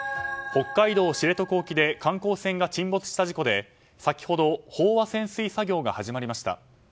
北海道知床沖で観光船が沈没した事故で先ほど飽和潜水作業が始まりました。